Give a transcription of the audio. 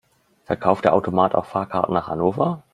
Verkauft der Automat auch Fahrkarten nach Hannover?